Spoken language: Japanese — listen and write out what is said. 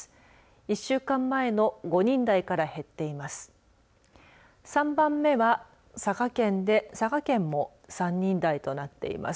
１週間前の５人台から減っています。